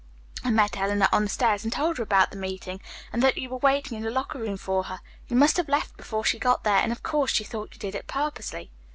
I met Eleanor on the stairs and told her about the meeting, and that you were waiting in the locker room for her. You must have left before she got there, and, of course, she thought you did it purposely."